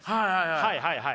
はいはいはい。